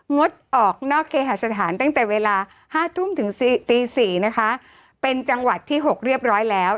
งดออกนอกเคหาสถานตั้งแต่เวลาห้าทุ่มถึงตี๔นะคะเป็นจังหวัดที่๖เรียบร้อยแล้ว